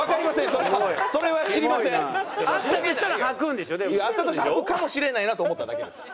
あったとしたらはくかもしれないなと思っただけです。